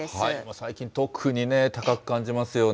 最近、特に高く感じますよね。